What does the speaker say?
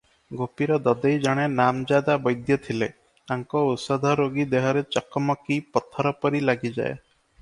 ଗୋପୀର ଦଦେଇ ଜଣେ ନାମଜାଦା ବୈଦ୍ୟ ଥିଲେ, ତାଙ୍କ ଔଷଧ ରୋଗୀ ଦେହରେ ଚକମକି ପଥରପରି ଲାଗିଯାଏ ।